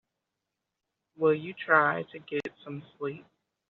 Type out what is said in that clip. Will you try to get some sleep?